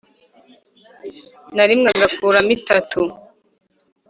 na rimwe agakuramo itatu